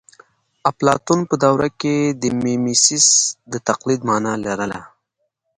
اپلاتون په دوره کې میمیسیس د تقلید مانا لرله